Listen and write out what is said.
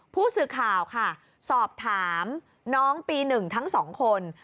ผู้สื่อข่าวค่ะสอบถามน้องปี๑ทั้ง๒คน